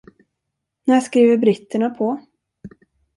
När skriver britterna på?